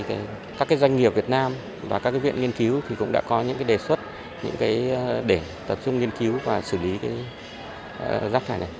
các doanh nghiệp việt nam và các viện nghiên cứu cũng đã có những đề xuất để tập trung nghiên cứu và xử lý rắc rải này